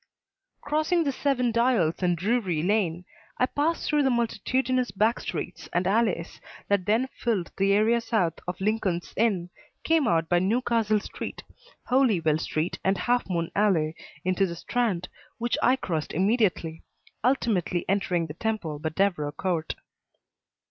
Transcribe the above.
Crossing the Seven Dials and Drury Lane I passed through the multitudinous back streets and alleys that then filled the area south of Lincoln's Inn, came out by Newcastle Street, Holywell Street and Half Moon Alley into the Strand, which I crossed immediately, ultimately entering the Temple by Devereux Court.